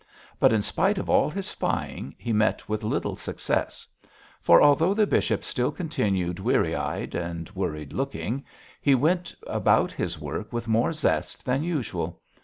But in spite of all his spying he met with little success, for although the bishop still continued weary eyed and worried looking, he went about his work with more zest than usual.